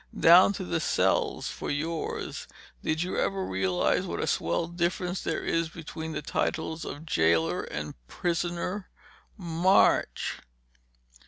Down to the cells for yours. Did you ever realize what a swell difference there is between the titles of jailer and prisoner? March!"